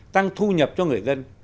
tăng thu nhập cho người dân